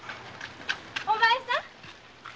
お前さん。